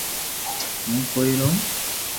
ھون ڪوئي رووُ